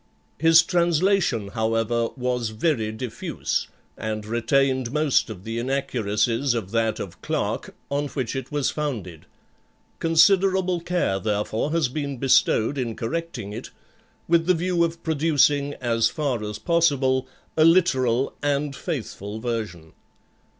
His translation, however, was very diffuse, and retained most of the inaccuracies of that of Clarke, on which it was founded; considerable care therefore has been bestowed in correcting it, with the view of producing, as far as possible, a literal and faithful version.